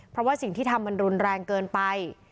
เพราะว่าสิ่งที่ทำมันรุนแรงเกินไป